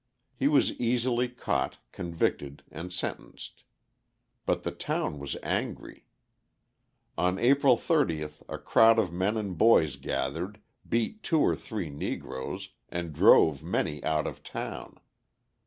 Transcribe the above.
He was easily caught, convicted, and sentenced. But the town was angry. On April 30th a crowd of men and boys gathered, beat two or three Negroes, and drove many out of town.